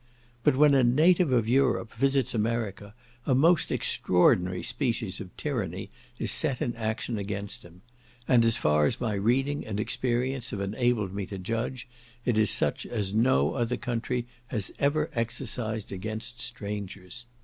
But when a native of Europe visits America, a most extraordinary species of tyranny is set in action against him; and as far as my reading and experience have enabled me to judge, it is such as no other country has ever exercised against strangers.